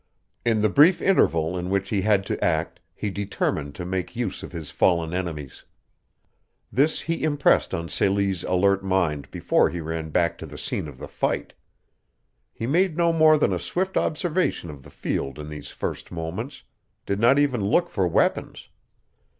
In the brief interval in which he had to act he determined to make use of his fallen enemies. This he impressed on Celie's alert mind before he ran back to the scene of the fight. He made no more than a swift observation of the field in these first moments did not even look for weapons.